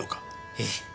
ええ。